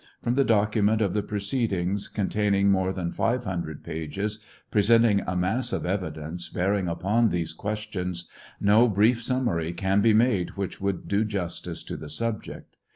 From the document of the proceedings, containing more than 500 pages, presenting a mass of evidence bearing upon these q[uestions, no brief summary can be made which would do justice to the subject.